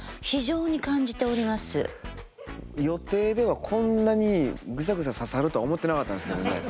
予定ではこんなにグサグサ刺さるとは思ってなかったんですけどね。